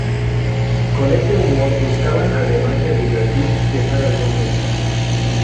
Con ese humor buscaban, además de divertir, dejar algún mensaje.